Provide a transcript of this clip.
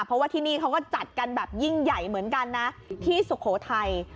เพราะว่าที่นี่เขาก็จัดกันแบบยิ่งใหญ่เหมือนกันนะที่สุโขทัย